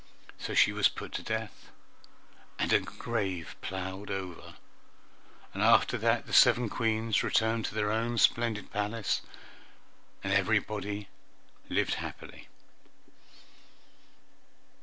So she was put to death, and her grave plowed over, and after that the seven Queens returned to their own splendid palace, and everybody lived happily.